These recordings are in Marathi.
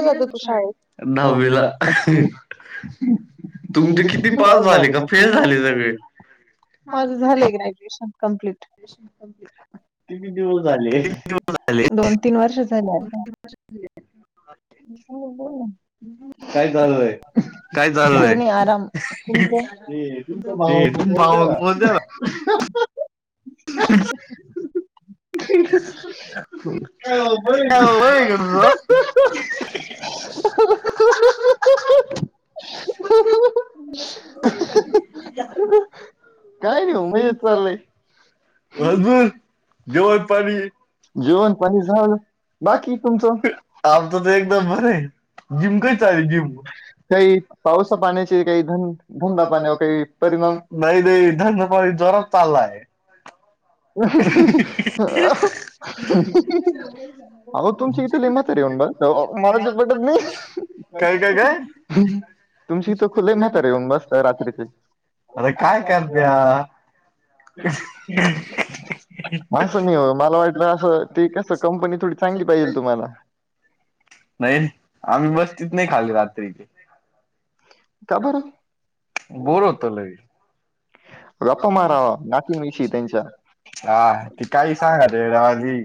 दहावीला. तुमचे किती पास झाले का? फेल झाले सगळे. माझं झालंय ग्रॅज्युएशन कम्प्लीट. रेशन संपली का? ति दिवस झाले? दोन तीन वर्ष झाले आता. [unintelligible] काय चाललंय? काय काही चाललंय नाही आराम तुमचं? ते तुमच्या [unintelligible] [unintelligible] [unintelligible] [unintelligible] काय नाही मग मजेत चाललंय. घासफुस जेवण पाणी जेवण पाणी झालं. बाकी तुमचं? आमचं तर एकदम बरं आहे जिम काही चालेल जिम काही पावसा पाण्याचे काही ध-धंदा पाण्यावर काही परिणाम? नाही नाही धंदा पाणी जोरात चाललाय. [unintelligible] अहो तुमची इथं लई म्हातारी आहे म्हण बा. हो मला ते पटत नाही. काय काय [unintelligible] तुमच्या इथं खुले म्हातारे येऊन बसता रात्रीचे. अरे काय करत्या? [unintelligible] असं नाही हो मला वाटलं, असं ते कसं कंपनी थोडी चांगली पाहिजेल तुम्हाला. नाही आम्ही मस्तीत नाही खाल्ले रात्री ते. का बरं बोर होतं लई. गप्पा मारावा नातींविषयी त्यांच्या हा ती काही सांगाल येड्यावानी.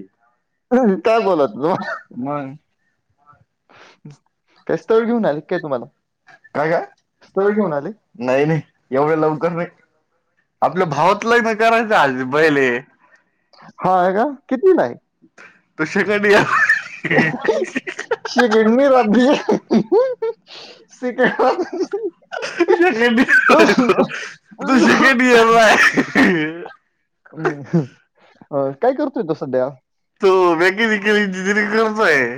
[unintelligible] काय बोलत होता? मग काय स्थळ घेऊन आलीत काय तुम्हाला, काय काय स्थळ घेऊन आले? नाही नाही, एवढ्या लवकर नाही. आपल्या भावाच लग्न करायचं अजून पहिले. हा हा आहे का ना कितीला आहे हाय? तसे कनई [unintelligible] रहात ती [unintelligible] [unintelligible] [unintelligible] अ काय करतोय तो सध्या? तो मेकॅनिकल इंजिनिअरिंग करतोय [unintelligible]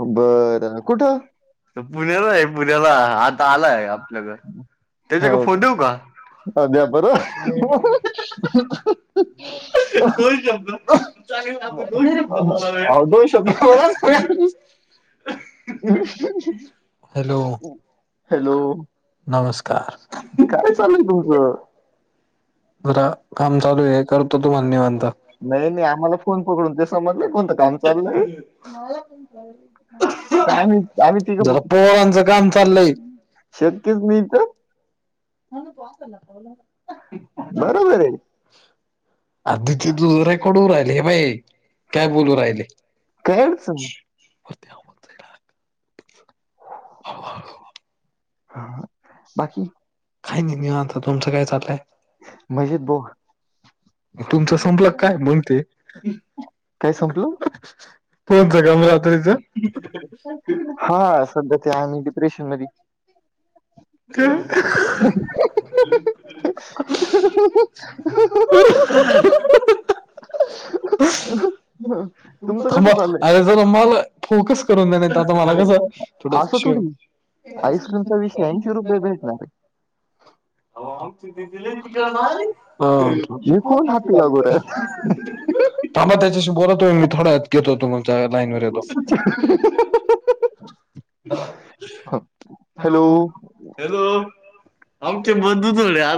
बरं. पुण्याचा आहे पुण्याला. आता आलाय आपल्याकडं. त्याच्याकडे फोन देऊ का? जाऊ द्या बरं. अव अहो, दोन शब्द बोला. दोन शे. Hello [unintelligible] [unintelligible] hello. नमस्कार काय चाललंय तुमचं? घरा काम चालू आहे हे करतो तू तुम्हाला निवांता. नाही नाही आम्हाला फोन पकडून ते समजला कोणतं काम चालू आहे. आम्ही आम्ही तिघं जरा पोरांचं काम चाललंय [unintelligible] शक्यच नाही तर. बरोबर आहे. आधी ते दुसरे कडू राहिले हे बाई काय बोलू राहिले? काय अडचण नाही. [unintelligible] हळूहळू हा. काही नाही आता तुमचं काय चाललंय? म्हजी बघ तुमचं संपलं काय मग ते काय संपलं? फोनचं काम रात्रीच [unintelligible] हा सध्या ते आम्ही डिप्रेशनमधी [unintelligible] ह [unintelligible] तुमचं कसं चाललंय? अरे जरा मला फोकस करून द्या नाही आता मला कसं असं थोडी आहे. थोडं- आईस्क्रीमचा विषय ऐंशी रुपये भेटणार आहे. [unintelligible] [unintelligible] आहे हे कोण हाती अगोदर थांबा त्याच्याशी बोला तो मी थोडा घेतो तुमच्या लाईन वर येतो. हॅलो. हॅलो आमचे बंधू तोडल्या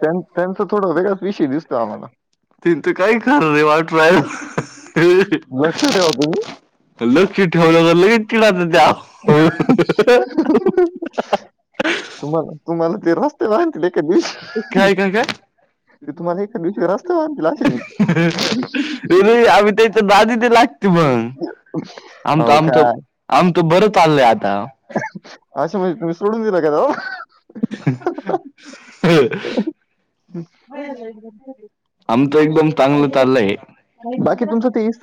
त्यां त्यांच थोडा वेगळाच विषय दिसतो आम्हाला. ते आणि ते काहीही लक्ष ठेवा तुम्ही [unintelligible] लक्षी ठेवलं तर लगेच चिडयाच्या त्या. तुम्हाला तुम्हाला ते रस्ते [unintelligible] कधी. काय काय काय ते तुम्हाला एका दिवशी रस्त्यावर आणतील अशाने. ये नाही आमची त्यांचा दादि दे लागते मंग. आमचं हो आमचं काय आमचं, बरं चाललय आता. अशा म्हणजे तुम्ही सोडून दिला का हो? आमचं एकदम चांगलं चाललंय बाकी तुमचं तेइस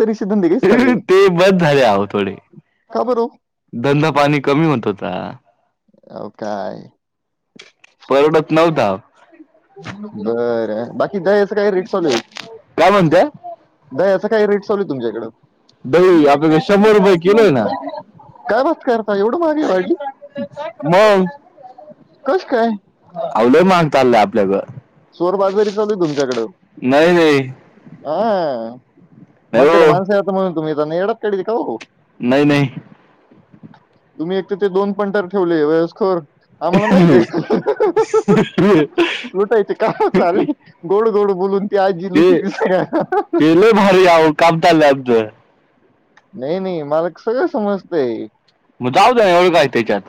ते बंद झाले आहो थोडे [unintelligible] का बर ओ? धंदा पाणी कमी होत होता. अव काय परवडत नव्हता. बरं बाकी दयाचा काय रेट चालू आहे? काय म्हणत्या दहियाचा काय रेट चालू तुमच्या इकडं? दही आपल्या इथं शंभर रुपये किलो आहे ना. काय बात करता एवढं महाग आहे भाजी, कसं काय? अवलय मागताललय आपल्या गं. चोर बाजारी चालू आहे तुमच्याकडे. नाही हा, नाही म्हातारी माणसा हो आहेत म्हणून तुम्ही त्यांना येड्यात काढती काय ओ? नाही नाही. तुम्ही एक तर, ते दोन पंटर ठेवले वयस्कर. आम्हाला माहित आहे लुटायचे. का चालेल गोड गोड बोलून ती आजी ते लुटती सगळ्यांना. ते लय भारी अहो काम चाललंय आमचं. नाही, नाही मालक सगळं समजतंय. मग जाऊ द्या एवढं काय तेच्यात.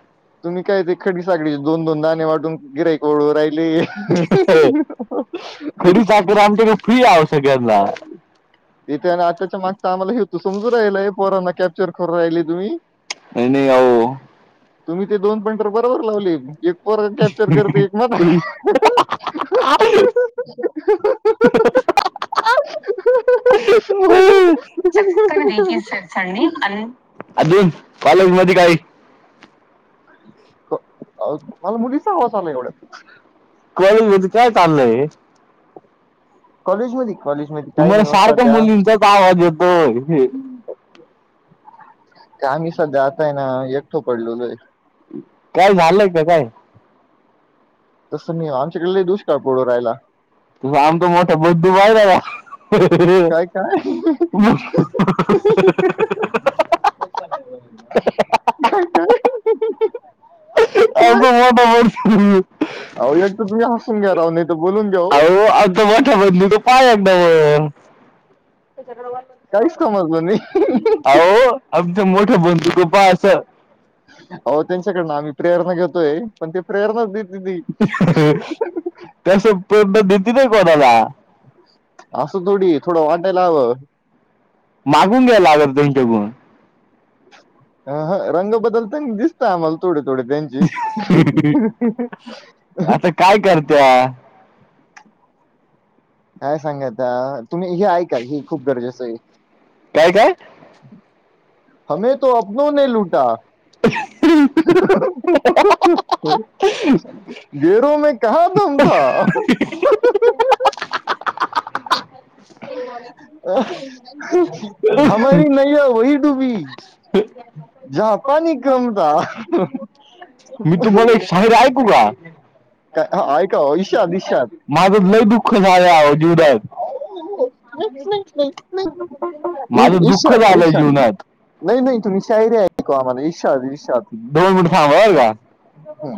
तुम्ही काय ते खडी साखरीचे दोन दोन दाणे वाटून गिराईक वळवू राहिले. खरी साखर आमच्याकडे फ्री आहो सगळ्यांना [unintelligible] इथे आणि आताच्या मागचा आम्हाला हेतू समजू राहिलाय आहे. पोरांना कॅप्चर करू राहिले तुम्ही. नाही नाही अहो तुम्ही ते दोन फंटर तर बरोबर लावले. एक पोर कॅप्चर करतंय, एक म आई... हीं.. हीं... हं.. [unintelligible] [unintelligible] कालेजमध्ये काय? अहो मुलीचा आवाज आला एवढ्यात. कॉलेजमधी काय चाललंय? कॉलेजमध्ये कॉलेजमध्ये काही तुम्हाला नाही हो सारखा सध्या मुलींचाच आवाज येतो हे. ते आम्ही सध्या आता हाय ना एकटे पडलेलोय. काय? झालंय का? काय? तसं नाही आमच्याकडे लय दुष्ळ पडू राहिला. तू आमचं मोठा बुधु [unintelligible] दादा. काय काय [unintelligible] कसं [unintelligible] आता मोठ [unintelligible] अहो एक तर तुम्ही हसून घ्या राव ना अहो आता मोठ्या [unintelligible] पहा एकदा मग. काहीच समजलं नाही अहो आमचं मोठे बंधू तो पहा असं अहो त्यांच्याकडनं आम्ही प्रेरणा घेतोय, पण ते प्रेरणाच देत नाही तसं पूर्ण भीती नाही कोणाला? असं थोडी आहे थोडं वाटायला हवं. मागून घ्या लावेल त्यांच्या गुण. अं हं रंग बदलताने दिसतंय आम्हाला थोडं थोडं त्यांचे. जी आता [unintelligible] काय करत्या? काय सांगाता? तुम्ही ही ऐका हे खूप गरजेचं आहे. काय काय? [unintelligible] [unintelligible] [unintelligible] [unintelligible] [unintelligible] मी तुम्हाला ऐक शायरी ऐकवू का? काय ऐका हो, इशाद इशाद माझंच लय दुःख झाल आहो जुदाईत. माझं दुःख ईरशाद झालंय ईरशाद. जीवनात नाही नाही तुम्ही शायरी ऐकवा आम्हाला. ईरशाद ईरशाद. दोन मिनिट थांब बर का, हम्म.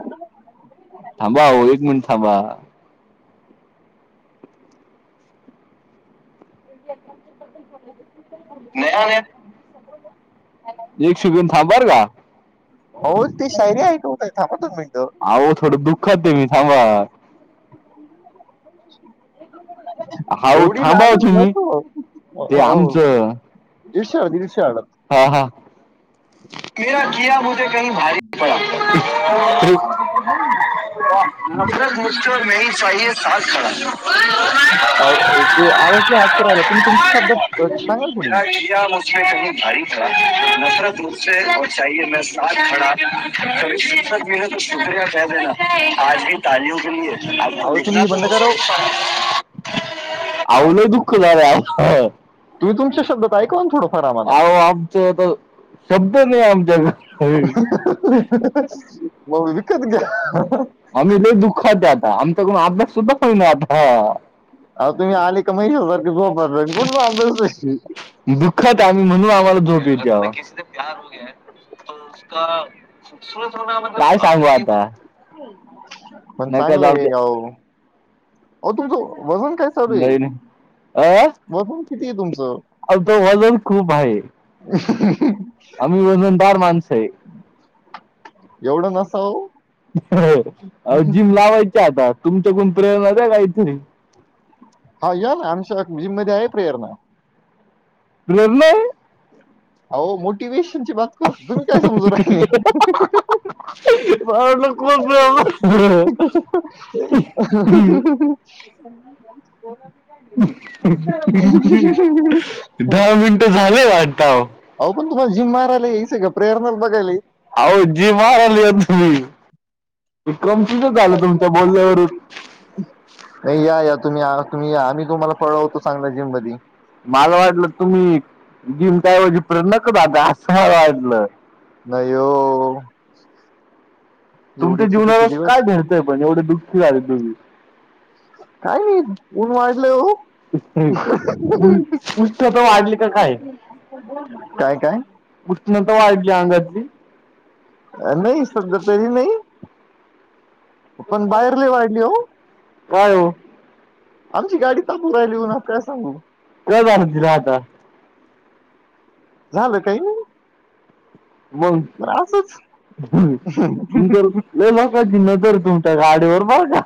थांबा ओ एक मिनिट थांबा. [unintelligible] एक सेकंड थांब बर का. अहो ते शायरी ऐकवू काय थांबा दोन मिनटं. अहो, थोडं दुःखात हे मी थांबा. हाव एवढी थांबा हो लाजच तुम्ही. नको ते हो आमचं, इर्षाड इर्षाड हा हा. [unintelligible] वा, नफरत मुश्किल नाही आहे सा खडा अहो आवाज लय अडकू राहिला, तुम्ही तरी शब्दात सांगा. [unintelligible] नफरत रूप [unintelligible] शुक्रया फर ना आज ह तालियो के लिये, आक अहो तुम्ही लिखना हे बंद करा हो. आवो लय, दुःख झालं. तुम्ही, तुमच्या शब्दात ऐकवा ना थोडंफार आम्हाला. अहो, आमचं तर [unintelligible] मग विकत घ्या. देआता, आमच्याकडून अभ्यास सुद्धा होईना आता! अहो तुम्ही आले का मै सारखं झोपते, [unintelligible] दुःखात आम्ही म्हणून, आम्हाला झोप द्यावा. [unintelligible] काय सांगूता आता? पण नका जाऊ चांगलंय, द्या आवो. अ तुमचं वजन काय चालू आहे, नाही नाही वजन किती आहे तुमचं? आमच वजन खूप आहे, आम्ही वजनदार माणसं आहे. एवढं नसाव. आओ, जिम लावायची आता तुमच्याकण प्रेणा द्या काहीतरी. हा या ना, आमच्या जिममध्ये आहे प्रेरणा. निर्णय अहो मोटिवेशन ची बात कर, तुम्ही काय समजू राहिले? [unintelligible] प्रेरणा [unintelligible] दहा मिनिटं झाले वाटतं [unintelligible] अहो पण, तुम्हाला जिम मारायला या स का प्रेरणाला बघाय? अहो जी मार आली आहे तुम्ही, ते कमतीच आल तुमच्या बोलल्यावरून. नाही, या या तुम्ही तुम्ही या आम्ही तुम्हाला पळवतो चांगल्या जिम मधे. माला वाटलं तुम्ही, जिम त्याऐवजी पेय आता असं वाटलं. नाही ओ. तुमच्या एवढे चुकीचे जीवनालाच दिवस काय घडतंय, पण एवढे दुःखी झालय तुम्ही? काय नाही. ऊन वाढले हो! उल- उष्णता वाढली का काय काय काय? उष्णता वाढली अंगातली. नाही, सध्या तरी नाही. पण बाहेर लय वाढली हो. काय ओ? आमची गाडी थांबू राहिली, मग काय सांगू? निघा आता! झालं काही नाही! असंच! हम. लय महागची नजर तुमच्या गाडीवर माझ्या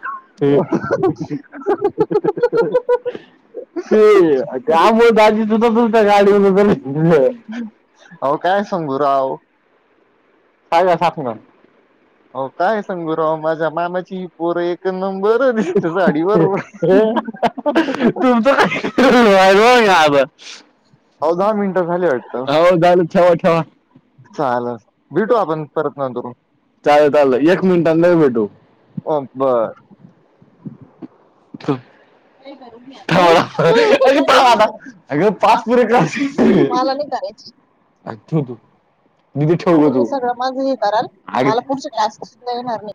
[unintelligible] त्यामुळे दाजी [unintelligible] गाडीवर [unintelligible] अहो काय सांगू राव [unintelligible] होणार. हो काय सांगू, राव माझ्या मामाची पोर एक नंबर दिसते, साडी वर. तुमचं [unintelligible] हो अहो दहा झालं, मिनिटं झाली वाटतं ठेवा ठेवा. चालेल भेटू आपण परत नंतरून. चालेल चालेल. एक मिनटाने लगे भेटू हो बर. [unintelligible] [unintelligible] मला अरे थांब आता अगं पाच पुरे क्लास ठेव नाही का? तेच. [unintelligible] दिदी ठेव ग तुम्ही तू सगळं माझ हे कराल, अगं मला पुढचे टास्क सुद्धा येणार नाही.